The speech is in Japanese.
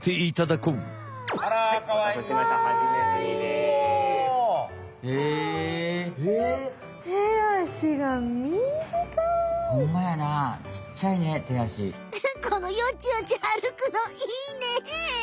このよちよちあるくのいいね！